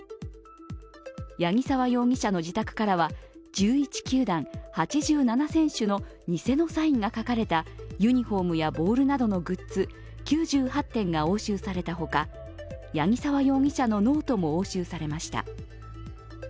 八木沢容疑者の自宅からは１１球団８７選手の偽のサインが書かれたユニフォームやボールなどのグッズ９８点が押収されたほか八木沢容疑者のノートも押収されました。